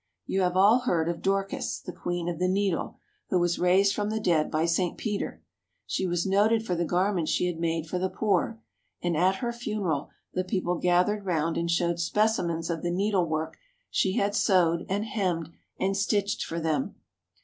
You have all heard of Dorcas, the queen of the needle, who was raised from the dead by St. Peter. She was noted for the garments she had made for the poor, and at her funeral the people gathered round and showed specimens of the needlework she had sewed and hemmed and stitched for them.